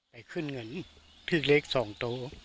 ใครขึ้นเงินที่เล็ก๒ตัว